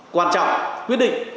quan trọng quyết định